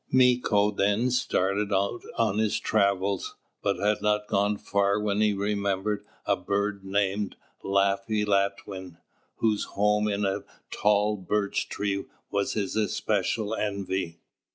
Mīko then started out on his travels, but had not gone far when he remembered a bird named "Laffy Latwin," whose home in a tall birch tree was his especial envy.